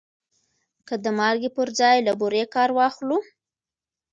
که د مالګې پر ځای له بورې کار واخلو؟